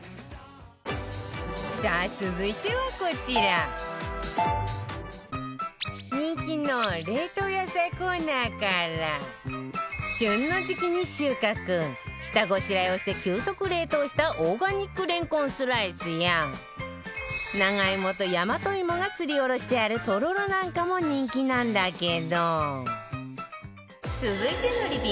さあ、続いては、こちら人気の冷凍野菜コーナーから旬の時期に収穫下ごしらえをして急速冷凍したオーガニックれんこんスライスや長芋と大和芋がすりおろしてあるとろろなんかも人気なんだけど続いてのリピ